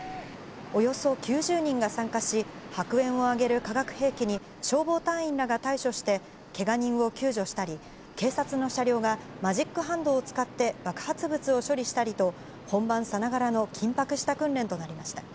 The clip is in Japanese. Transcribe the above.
およそ９０人が参加し、白煙を上げる化学兵器に消防隊員らが対処して、けが人を救助したり、警察の車両が、マジックハンドを使って爆発物を処理したりと、本番さながらの緊迫した訓練となりました。